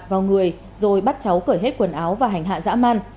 vào người rồi bắt cháu cởi hết quần áo và hành hạ dã man